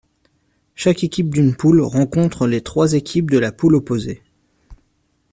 Chaque équipe d'une poule rencontre les trois équipes de la poule opposée.